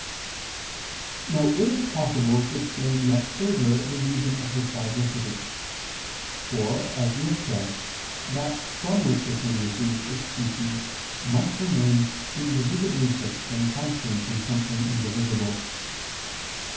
Now it is possible to explain yet further the reason of this diversity. For, as we have said, that from which a thing receives its species must remain indivisibly fixed and constant in something indivisible.